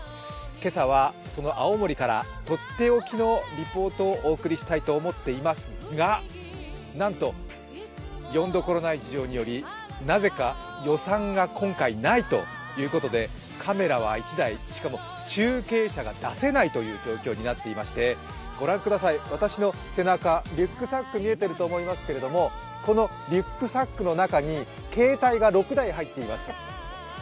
今朝はその青森からとっておきのリポートをお送りしたいと思っていますがなんとよんどころない事情により、なぜか予算が今回ないということでカメラは１台、しかも中継車が出せないという状況になっていまして、ご覧ください、私の背中リュックサックが見えていると思いますけれども、このリュックサックの中に携帯が６台入っています。